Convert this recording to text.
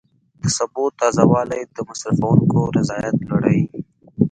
د سبو تازه والی د مصرفونکو رضایت لوړوي.